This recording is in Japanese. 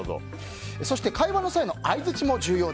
そして、会話の際の相づちも重要。